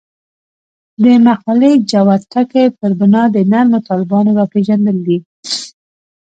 د مقالې جوت ټکی پر بنا د نرمو طالبانو راپېژندل دي.